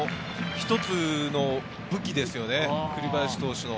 一つの武器ですよね、栗林投手の。